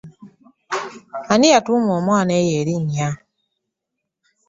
Ani yatuuma omwana wo erinnya?